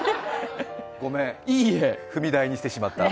ごめん、踏み台にしてしまって。